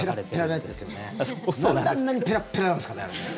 なんで、あんなにペラッペラなんですかね。